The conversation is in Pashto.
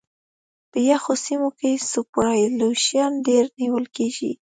په یخو سیمو کې سوپرایلیویشن ډېر نیول کیږي